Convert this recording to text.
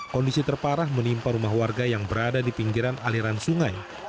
kondisi terparah menimpa rumah warga yang berada di pinggiran aliran sungai